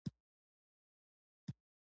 قاضي د مشهور مصري لیکوال .